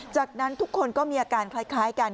จากนั้นทุกคนก็มีอาการคล้ายกัน